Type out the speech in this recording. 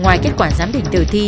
ngoài kết quả giám định từ thi